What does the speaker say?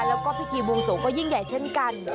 แล้วก็พิธีบวงสวงก็ยิ่งใหญ่เช่นกัน